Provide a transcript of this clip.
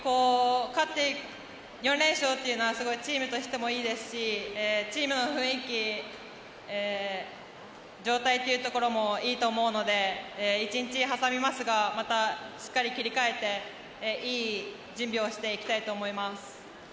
４連勝というのはチームとしてもいいですしチームの雰囲気状態というところもいいと思うので一日挟みますがまたしっかり切り替えていい準備をしていきたいと思います。